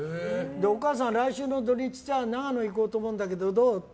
お母さん、来週の土日さ長野行こうと思うんだけどどう？って。